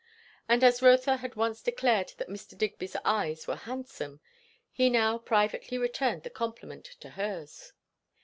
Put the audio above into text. And as Rotha had once declared that Mr. Digby's eyes were handsome, he now privately returned the compliment to hers.